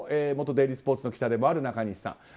元デイリースポーツの記者でもある中西さん。